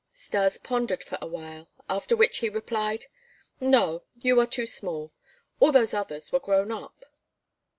Stas pondered for a while, after which he replied: "No, you are too small. All those others were grown up."